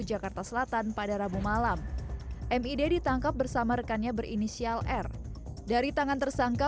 jakarta selatan pada rabu malam mid ditangkap bersama rekannya berinisial r dari tangan tersangka